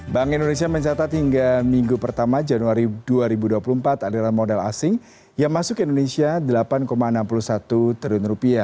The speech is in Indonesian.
bank indonesia mencatat hingga minggu pertama januari dua ribu dua puluh empat adalah modal asing yang masuk ke indonesia rp delapan enam puluh satu triliun